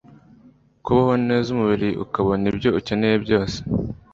kubaho neza, umubiri ukabona ibyo ukeneye byose,